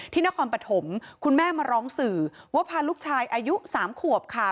นครปฐมคุณแม่มาร้องสื่อว่าพาลูกชายอายุ๓ขวบค่ะ